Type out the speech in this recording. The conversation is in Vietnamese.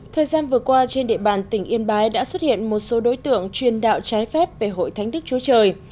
thời gian vừa qua trên địa bàn tỉnh yên bái đã xuất hiện một số đối tượng chuyên đạo trái phép về hội thánh đức chúa trời